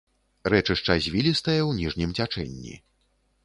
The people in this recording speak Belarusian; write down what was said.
Рэчышча звілістае ў ніжнім цячэнні.